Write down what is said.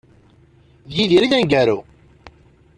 D Yidir i d aneggaru.